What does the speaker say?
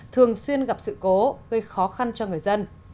thường xuyên gặp sự cố gây khó khăn cho người dân